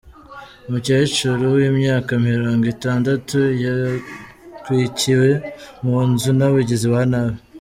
Umukecuru w’imyaka mirongo itandatu yatwikiwe mu nzu n’abagizi ba nabi